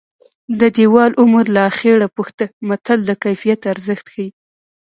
د دېوال عمر له اخېړه پوښته متل د کیفیت ارزښت ښيي